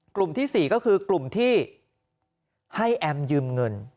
กลุ่มที่๔ก็คือกลุ่มที่ให้แอมยืมเงิน